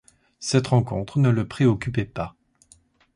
Cette rencontre ne le préoccupait pas.